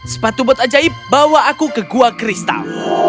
sepatu bot ajaib bawa aku ke gua kristal